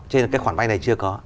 cho nên là cái khoản vay này chưa có